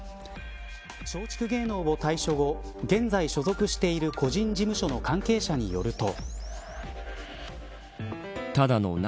松竹芸能を退所後現在、所属している個人事務所の関係者によると。